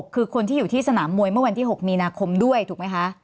คือคนที่อยู่ที่สนามมวยเมื่อวันที่๖มีนาคมด้วยถูกไหมคะ